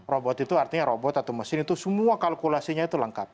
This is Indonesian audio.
robot itu artinya robot atau mesin itu semua kalkulasinya itu lengkap